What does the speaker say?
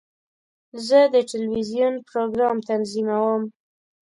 زه د ټلویزیون پروګرام تنظیموم.